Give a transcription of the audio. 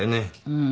うん。